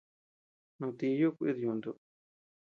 No tíyu kuid yuntu.